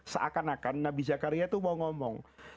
seakan akan nabi zakaria itu mau ngomong